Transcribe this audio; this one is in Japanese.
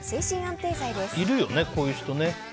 いるよね、こういう人ね。